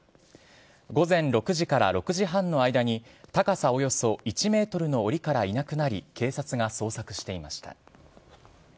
午前６時から６時半の間に、高さおよそ１メートルのおりからいなくなり、警察が捜索していました。